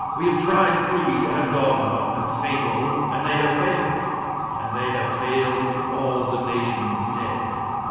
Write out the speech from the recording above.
We have tried creed and dogma, and fable, and they have failed and they have failed in all the nations dead.